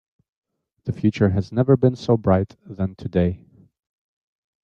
The future has never been so bright than today.